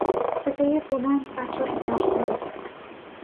صدای بلند بچه را ترساند.